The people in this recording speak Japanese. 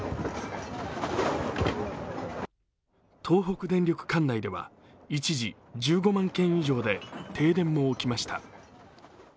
東北電力管内では一時１５万軒以上で停電も起きました。